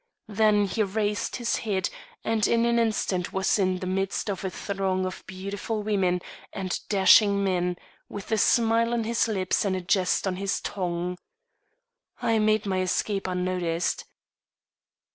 Then he raised his head, and in an instant was in the midst of a throng of beautiful women and dashing men, with a smile on his lips and a jest on his tongue. I made my escape unnoticed.